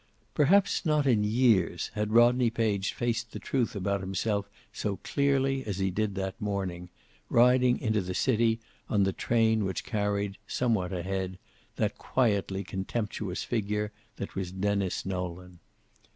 Perhaps not in years had Rodney Page faced the truth about himself so clearly as he did that morning, riding into the city on the train which carried, somewhere ahead, that quietly contemptuous figure that was Denis Nolan.